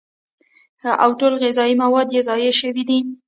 او ټول غذائي مواد ئې ضايع شوي وي